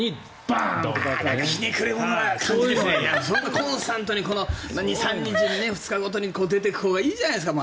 コンスタントに２３日ごとに出てくるほうがいいじゃないですか。